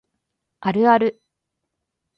あるある